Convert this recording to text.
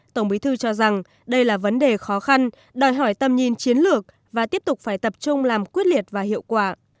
tổng bí thư cho rằng đây là vấn đề khó khăn đòi hỏi tầm nhìn chiến lược và tiếp tục phải tập trung làm quyết liệt và hiệu quả